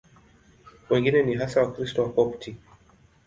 Wengine ni hasa Wakristo Wakopti.